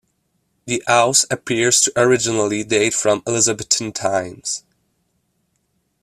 The house appears to originally date from Elizabethan times.